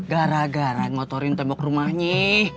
gara gara ngotorin tembok rumahnya